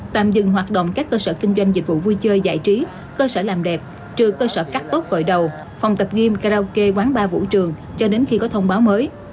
tạm dừng hoạt động các cơ sở kinh doanh dịch vụ vui chơi giải trí cơ sở làm đẹp trừ cơ sở cắt tóc gội đầu phòng tập nghiêm karaoke quán bar vũ trường cho đến khi có thông báo mới